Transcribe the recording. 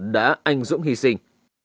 đã anh dũng hy sinh